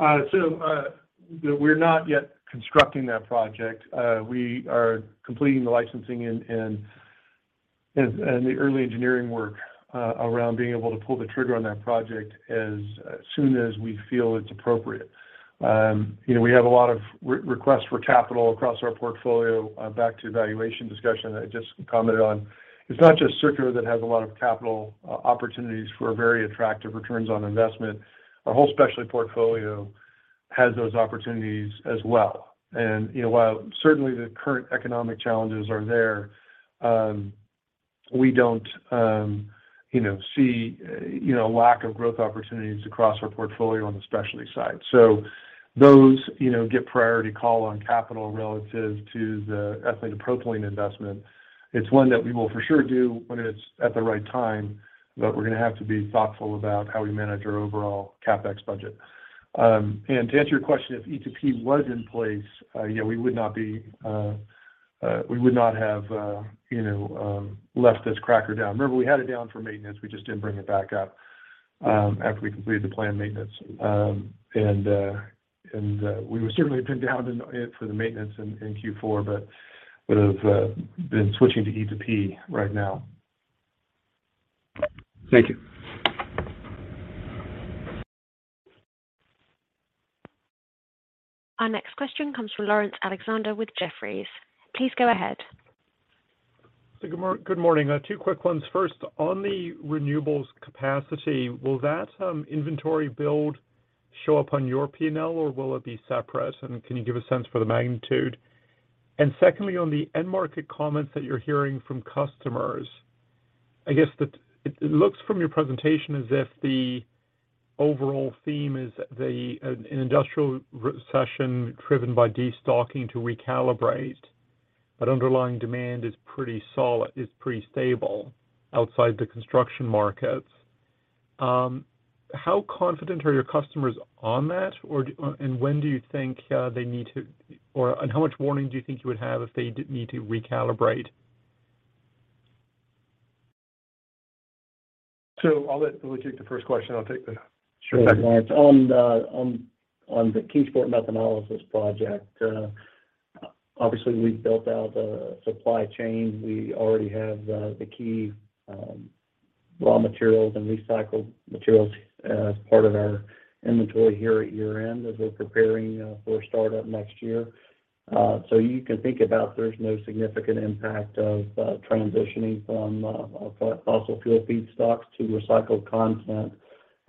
S2: We're not yet constructing that project. We are completing the licensing and the early engineering work around being able to pull the trigger on that project as soon as we feel we have a lot of re-requests for capital across our portfolio. Back to the valuation discussion I just commented on. It's not just circular that has a lot of capital opportunities for very attractive ROIs. Our whole specialty portfolio has those opportunities while certainly the current economic challenges are don't see lack of growth opportunities across our portfolio on the those get priority call on capital relative to the ethylene to propylene investment. It's one that we will for sure do when it's at the right time, but we're going to have to be thoughtful about how we manage our overall CapEx budget. To answer your question, if E to P have left this cracker down. Remember, we had it down for maintenance. We just didn't bring it back up after we completed the planned maintenance. We would certainly have been down in it for the maintenance in Q4, but would have been switching to E to P right now.
S16: Thank you.
S1: Our next question comes from Laurence Alexander with Jefferies. Please go ahead.
S17: Good morning. Two quick ones. First, on the renewables capacity, will that inventory build show up on your P&L, or will it be separate? Can you give a sense for the magnitude? Secondly, on the end market comments that you're hearing from customers, I guess the It looks from your presentation as if the overall theme is the an industrial recession driven by destocking to recalibrate, but underlying demand is pretty solid, pretty stable outside the construction markets. How confident are your customers on that? Do when do you think they need to How much warning do you think you would have if they did need to recalibrate?
S2: I'll let Willie take the first question, I'll take the second.
S11: Sure thing, Laurence. On the Kingsport methanolysis project, obviously we've built out a supply chain. We already have the key raw materials and recycled materials as part of our inventory here at year-end as we're preparing for startup next year. You can think about there's no significant impact of transitioning from fossil fuel feedstocks to recycled content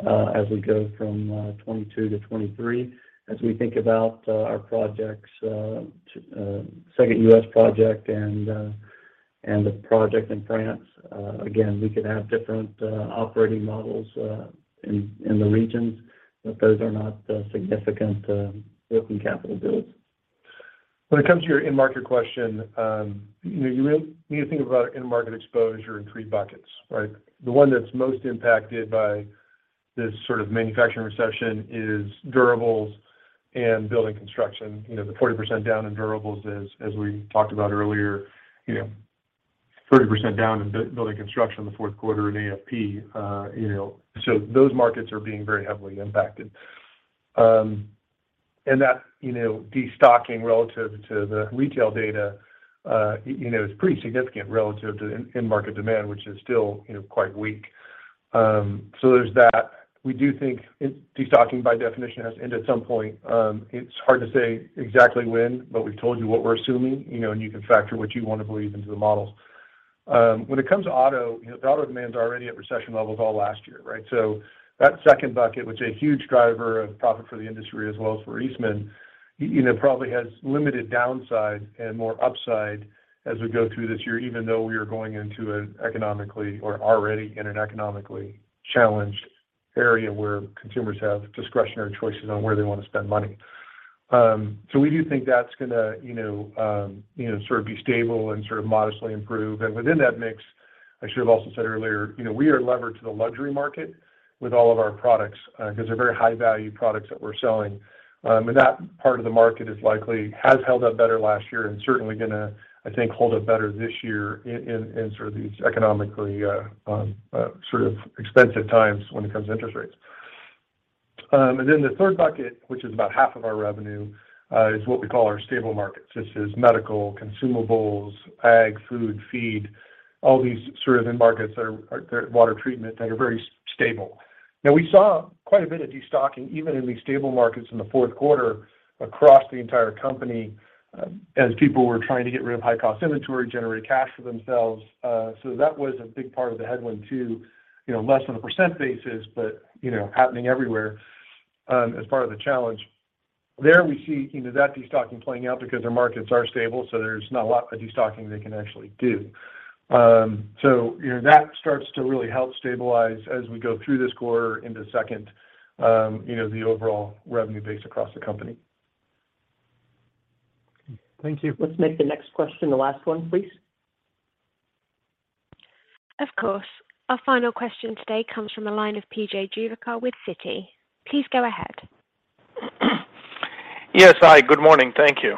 S11: as we go from 2022 to 2023. As we think about our projects, second U.S. project and the project in France, again, we could have different operating models in the regions, but those are not significant working capital builds.
S2: When it comes to your question you really need to think about end market exposure in 3 buckets, right? The one that's most impacted by this sort of manufacturing recession is durables and the 40% down in durables is, as we earlier 30% down in Building and Construction in the Q4. those markets are being very that destocking relative to data is pretty significant relative to end market demand, still quite weak. There's that. We do think it's destocking by definition has to end at some point. It's hard to say exactly when, but we've told you assuming and you can factor believe into the models. When it auto the auto demand's already at recession levels all last year, right? That second bucket, which is a huge driver of profit for the industry as well eastman probably has limited downside and more upside as we go through this year, even though we are already in an economically challenged area where consumers have discretionary choices on spend money. We do know sort of be stable and sort of modestly improve. Within that mix, I should have earlier we are levered to the luxury market with all of our products, 'cause they're very high-value products that we're selling. That part of the market is likely has held up better last year and certainly going to, I think, hold up better this year in sort of these economically sort of expensive times when it comes to interest rates. The third bucket, which is about half of our revenue, is what we call our stable markets. This is medical, Consumables, ag, food, feed, all these sort of end markets or water treatment, that are very stable. We saw quite a bit of destocking, even in these stable markets in the Q4 across the entire company, as people were trying to get rid of high-cost inventory, generate cash for themselves. That was a big part of too less than a but happening everywhere, as part of the challenge. see that destocking playing out because their markets are stable, there's not a lot of destocking they can actually do. That starts to really help stabilize as we go through this second the overall revenue base across the company.
S17: Thank you.
S2: Let's make the next question the last one, please.
S1: Of course. Our final question today comes from the line of P.J. Juvekar with Citi. Please go ahead.
S18: Yes. Hi, good morning. Thank you.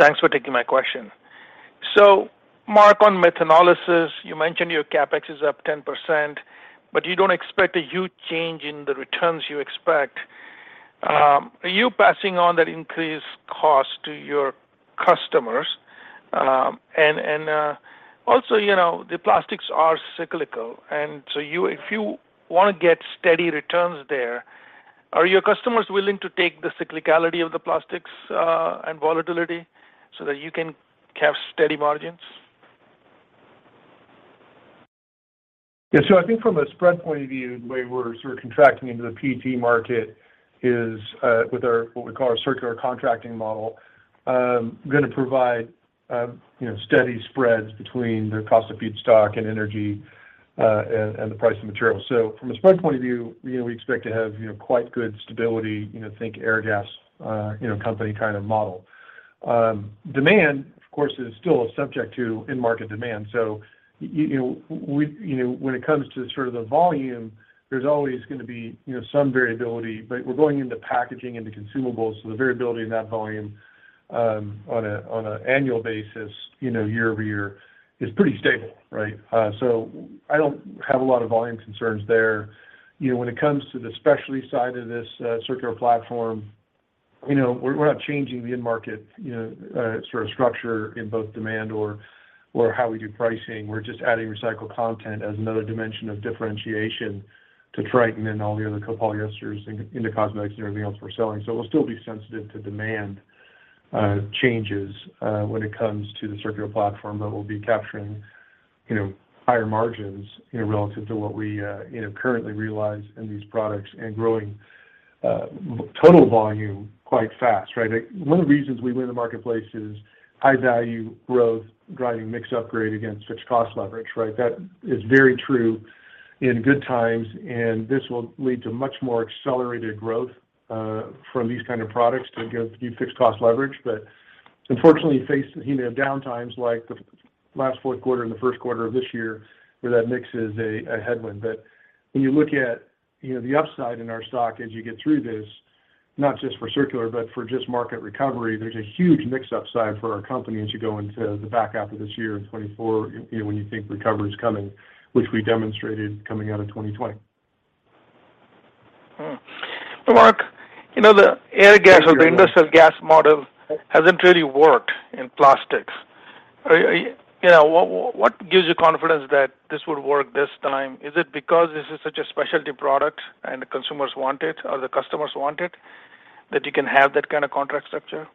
S18: Thanks for taking my question. Mark, on methanolysis, you mentioned your CapEx is up 10%, but you don't expect a huge change in the returns you expect. Are you passing on that increased cost to also the plastics are cyclical, get steady returns there, are your customers willing to take the cyclicality of the plastics and volatility so that you can have steady margins?
S4: Yeah. I think from a spread point of view, the way we're sort of contracting into the PET market is with our, what we call our circular contracting provide steady spreads between the cost of feedstock and energy and the price of materials. From a spread Airgas company kind of model. Demand, of course, is still subject to end we when it comes to sort of the volume, there's be some variability. We're going into packaging, into Consumables, so the variability in that volume on basis year-over-year is pretty stable, right?
S2: I don't have a lot of volume when it comes to the specialty side of platform we're not changing market sort of structure in both demand or how we do pricing. We're just adding recycled content as another dimension of differentiation to Tritan and all the other copolymers into cosmetics and everything else we're selling. We'll still be sensitive to demand changes when it comes to the circular platform. we currently realize in these products and growing total volume quite fast, right? One of the reasons we win the marketplace is high value growth driving mix upgrade against fixed cost leverage, right? That is very true in good times, this will lead to much more accelerated growth from these kind of products to give you fixed cost faced down times like the last Q4 and the Q1 of this year, where that mix is a headwind. When at the upside in our stock as you get through this, not just for circular, but for just market recovery, there's a huge mix upside for our company as you go into the back half of this 2024 when you think recovery's coming, which we demonstrated coming out of 2020.
S18: mark the airgas or the industrial gas model hasn't really worked what gives you confidence that this will work this time? Is it because this is such a specialty product and the consumers want it or the customers want it, that you can have that kind of contract structure?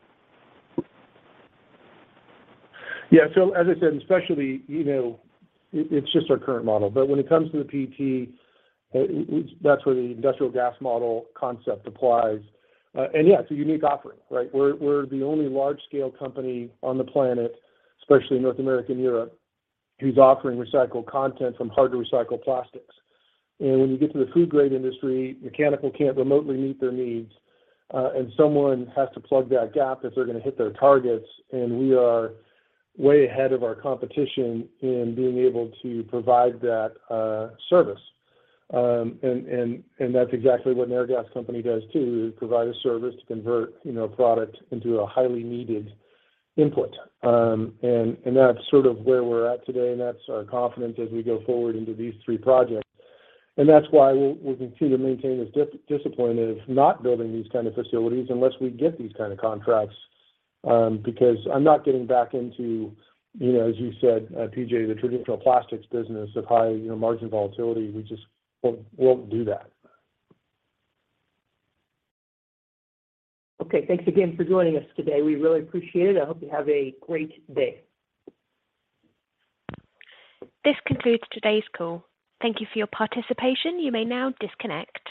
S4: Yeah. As especially it's just our current model, but when it comes to the PET, that's where the industrial gas model concept applies. Yeah, it's a unique offering, right? We're the only large-scale company on the planet, especially in North America and Europe, who's offering recycled content from hard to recycle plastics. When you get to the food-grade industry, mechanical can't remotely meet their needs, and someone has to plug that gap if they're going to hit their targets, and we are way ahead of our competition in being able to provide that service. That's exactly what an Airgas company does too, is provide a convert a product into a highly needed input.
S2: That's sort of where we're at today, and that's our confidence as we go forward into these three projects. That's why we'll continue to maintain this dis-discipline of not building these kind of facilities unless we get these kind of contracts, because I'm not into as you said, PJ, the traditional plastics high margin volatility. We just won't do that. Okay. Thanks again for joining us today. We really appreciate it. I hope you have a great day.
S1: This concludes today's call. Thank you for your participation. You may now disconnect.